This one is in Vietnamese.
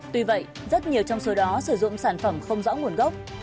tuy vậy rất nhiều trong số đó sử dụng sản phẩm không rõ nguồn gốc